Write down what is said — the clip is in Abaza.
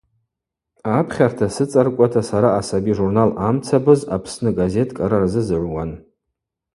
Апхьарта сыцӏаркӏвата сара асаби журнал Амцабыз, Апсны газет кӏара рзызыгӏвуан.